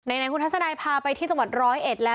ไหนคุณทัศนายพาไปที่จังหวัดร้อยเอ็ดแล้ว